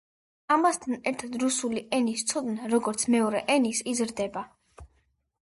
ამასთან ერთდ რუსული ენის ცოდნა, როგორც მეორე ენის, იზრდება.